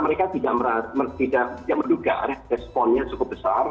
mereka tidak menduga responnya cukup besar